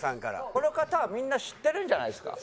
この方はみんな知ってるんじゃないですか？